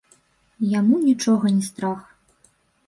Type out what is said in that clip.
Яму нічога не страх.